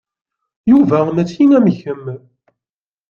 Yuba mačči am kemm.